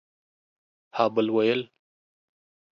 ها بل ويل